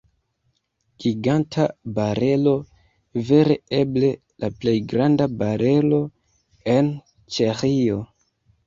Giganta barelo, vere eble la plej granda barelo en Ĉeĥio.